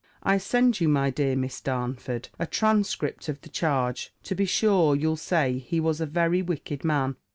I send you, my dear Miss Darnford, a transcript of the charge. To be sure, you'll say, he was a very wicked man.